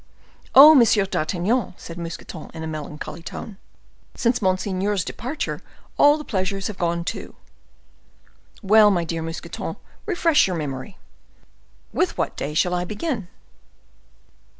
"Oh, Monsieur d'Artagnan," said Mousqueton in a melancholy tone, "since monseigneur's departure all the pleasures have gone too!" "Well, my dear Mousqueton, refresh your memory." "With what day shall I begin?"